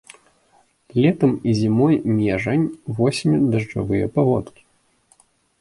Летам і зімой межань, восенню дажджавыя паводкі.